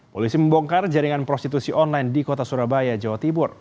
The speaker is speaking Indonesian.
polisi membongkar jaringan prostitusi online di kota surabaya jawa timur